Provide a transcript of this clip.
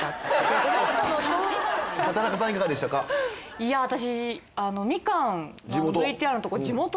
いや私。